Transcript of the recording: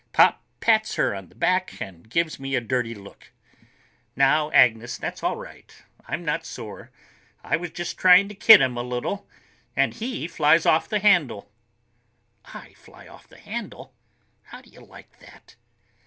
Pop pats her on the shoulder and gives me a dirty look. "Now, Agnes, that's all right. I'm not sore. I was just trying to kid him a little bit, and he flies off the handle." I fly off the handle! How do you like that?